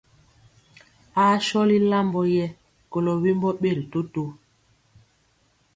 Aa sɔli lambɔ yɛ kolɔ wembɔ ɓeri toto.